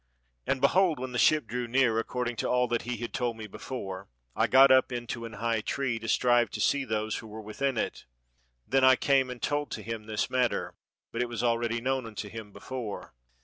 "And behold, when the ship drew near, according to all that he had told me before, I got up into an high tree, to strive to see those who were within it. Then I came and told to him this matter, but it was already known unto him before.